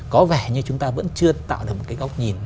có vẻ như chúng ta vẫn chưa tạo được một cái góc nhìn